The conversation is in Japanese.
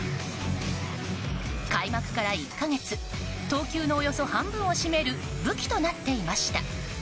開幕から１か月投球のおよそ半分を占める武器となっていました。